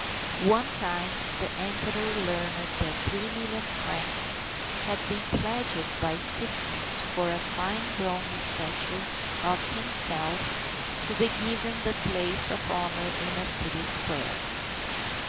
One time, the Emperor learned that 3,000,000 francs had been pledged by citizens for a fine bronze statue of himself to be given the place of honour in a city square.